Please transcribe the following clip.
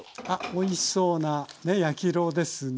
おいしそうなね焼き色ですね。